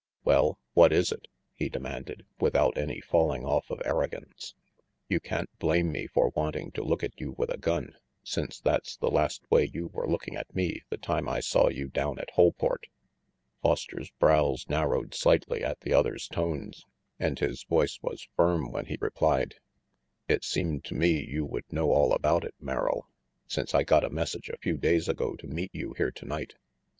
"Well, what is it?" he demanded, without any falling off of arrogance. "You can't blame me for wanting to look at you with a gun, since that's the last way you were looking at me the time I saw you down at Holport." Foster's brows narrowed slightly at the other's tones, and his voice was firm when he replied: "It seemed to me you would know all about it, Merrill, since I got a message a few days ago to meet you here tonight."